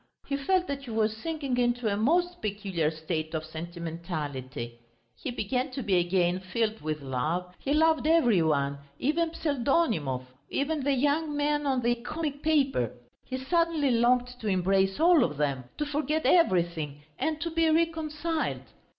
He felt that he was sinking into a most peculiar state of sentimentality; he began to be again filled with love, he loved every one, even Pseldonimov, even the young man on the comic paper. He suddenly longed to embrace all of them, to forget everything and to be reconciled.